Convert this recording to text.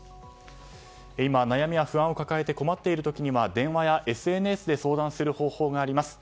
今、悩みや不安を抱えて困っている時には電話やＳＮＳで相談する方法があります。